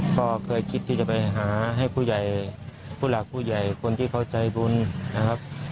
ก็เคยคิดที่จะไปหาให้ผู้ใหญ่ผู้หลักผู้ใหญ่คนที่เขาใจบุญนะครับ